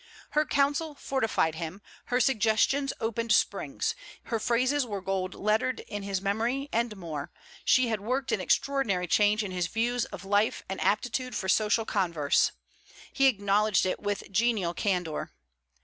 Her counsel fortified him, her suggestions opened springs; her phrases were golden lettered in his memory; and more, she had worked an extraordinary change in his views of life and aptitude for social converse: he acknowledged it with genial candour.